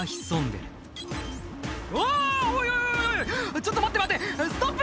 ちょっと待って待ってストップ！